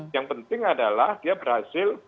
yang penting adalah dia berhasil